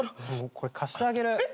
これ貸してあげる。